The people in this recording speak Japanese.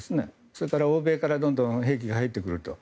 それから欧米からどんどん兵器が入ってくると。